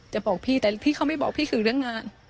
จะบอกพี่แต่พี่เขาไม่บอกพี่คือเรื่องงาน